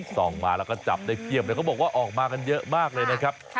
ส่องมาแล้วก็จับได้เพียบเลยเขาบอกว่าออกมากันเยอะมากเลยนะครับ